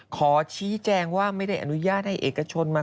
ขอชี้แจงว่าไม่ได้อนุญาตให้เอกชนมา